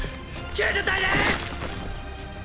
救助隊ですッ。